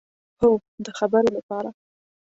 هو، د خبرو لپاره